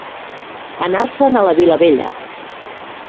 Anar-se'n a la Vilavella.